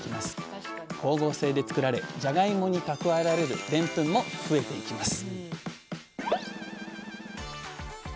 光合成で作られじゃがいもに蓄えられるでんぷんも増えていきます